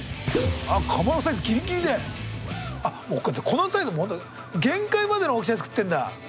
このサイズ本当限界までの大きさに作ってんだ。